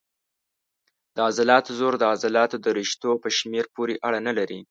د عضلاتو زور د عضلاتو د رشتو په شمېر پورې اړه نه لري.